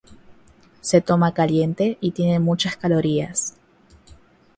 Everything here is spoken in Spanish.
Se toma caliente y tiene muchas calorías.